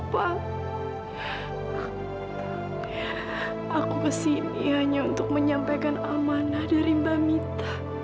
wah aku kesini hanya untuk menyampaikan amanah dari mbak mita